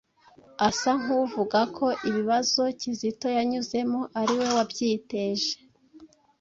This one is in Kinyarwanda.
asa nk'uvuga ko ibibazo Kizito yanyuzemo ari we wabyiteje.